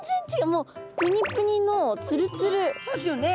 もうそうですよね。